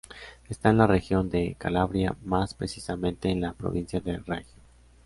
Está en la región de Calabria, más precisamente en la provincia de Reggio.